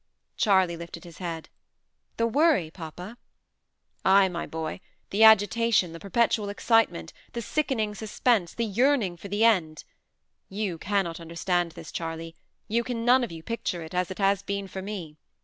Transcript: Charley lifted his head. "The worry, papa?" "Ay, my boy. The agitation the perpetual excitement the sickening suspense the yearning for the end. You cannot understand this, Charley; you can none of you picture it, as it has been, for me.